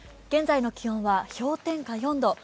現在の気温は氷点下４度。